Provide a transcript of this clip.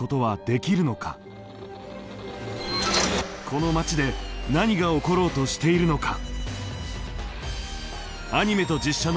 この町で何が起ころうとしているのか。